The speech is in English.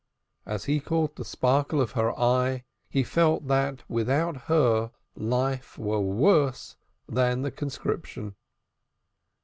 As he caught the sparkle of her eye, he felt that without her life were worse than the conscription.